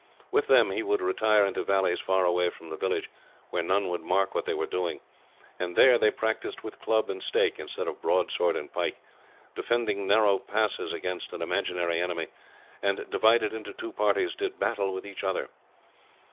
With them he would retire into valleys far away from the village, where none would mark what they were doing, and there they practised with club and stake instead of broadsword and pike, defended narrow passes against an imaginary enemy, and, divided into two parties, did battle with each other.